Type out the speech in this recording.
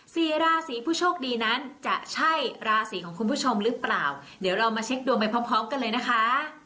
สี่ราศีผู้โชคดีนั้นจะใช่ราศีของคุณผู้ชมหรือเปล่าเดี๋ยวเรามาเช็คดวงไปพร้อมพร้อมกันเลยนะคะ